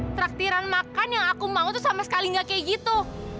praktiran makan yang aku mau tuh sama sekali nggak kayak gitu